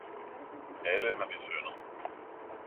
Alle har vi syndet!